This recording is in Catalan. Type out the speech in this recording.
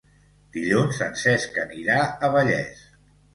Dilluns en Cesc anirà a Vallés.